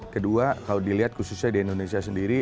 kedua kalau dilihat khususnya di indonesia sendiri